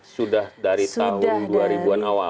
sudah dari tahun dua ribu an awal